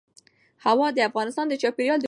هوا د افغانستان د چاپیریال د مدیریت لپاره مهم دي.